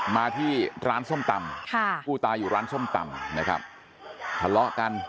มาที่ร้านส้มตำค่ะผู้ตายอยู่ร้านส้มตำนะครับทะเลาะกัน